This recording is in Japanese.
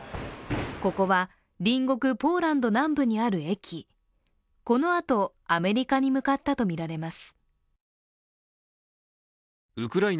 ここは隣国ポーランド南部にある駅、このあとアメリカに向かったとみられます。